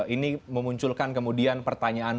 ini memunculkan kemudian pertanyaan